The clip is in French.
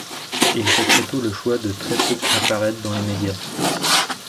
Il fait très tôt le choix de très peu apparaître dans les médias.